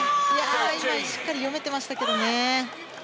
今、しっかり読めてましたけどね。